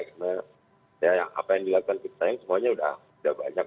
karena apa yang dilakukan sinteyong semuanya udah banyak